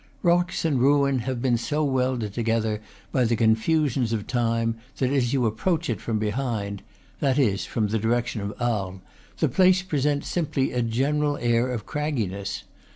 Rock and ruin have been so welded together by the con fusions of time, that as you approach it from behind that is, from the direction of Arles the place presents simply a general air of cragginess.